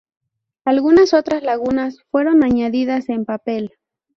Algunas otras lagunas fueron añadidas en papel.